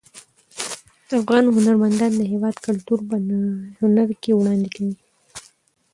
افغان هنرمندان د هیواد کلتور په هنر کې وړاندې کوي.